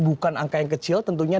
bukan angka yang kecil tentunya